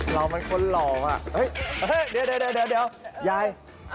เรามันคนหล่ออ่ะเดี๋ยวยาย